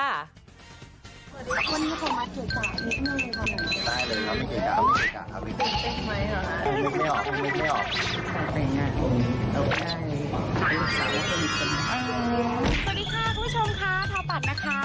สวัสดีค่ะคุณผู้ชมค่ะทอปัดนะคะ